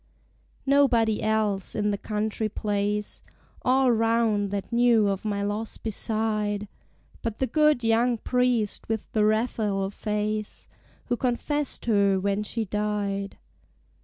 Nobody else, in the country place All round, that knew of my loss beside, But the good young Priest with the Raphael face, Who confessed her when she died.